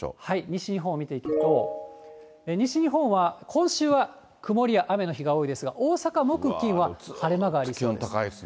西日本を見ていくと、西日本は今週は曇りや雨の日が多いですが、大阪、木、金は晴れ間がありそうです。